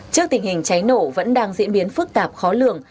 trước tình hình cháy nổ vẫn đang diễn biến phức tạp khó lường